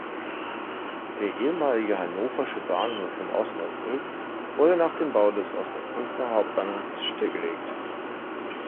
Der ehemalige „Hannoversche Bahnhof“ in Osnabrück wurde nach dem Bau des Osnabrücker Hauptbahnhofes stillgelegt.